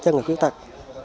cho người khuyết tật